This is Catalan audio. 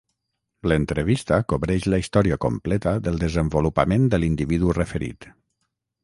L'entrevista cobreix la història completa del desenvolupament de l'individu referit.